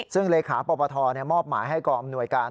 ซึ่งเลขาปปทมอบหมายให้กองอำนวยการ